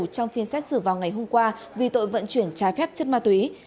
trong phiên xét xử vào ngày hôm qua vì tội vận chuyển trái phép chất ma túy